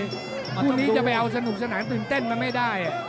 คู่นี้จะไปเอาสนุกสนานตื่นเต้นมันไม่ได้